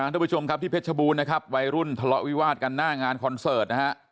ทุกผู้ชมครับที่เพชรบูรณ์นะครับวัยรุ่นทะเลาะวิวาดกันหน้างานคอนเสิร์ตนะฮะ